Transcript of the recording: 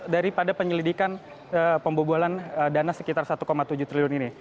daripada penyelidikan pembobolan dana sekitar satu tujuh triliun ini